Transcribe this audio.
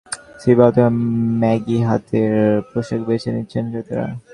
গরমের কারণে শিশুদের জন্য স্লিভলেস, অথবা ম্যাগি হাতের পোশাক বেছে নিচ্ছেন ক্রেতারা।